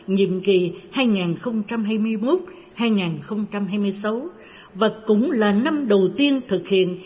nhiệm kỳ hai nghìn hai mươi một hai nghìn hai mươi sáu và cũng là năm đầu tiên thực hiện